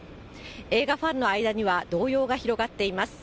映画ファンの間には動揺が広がっています。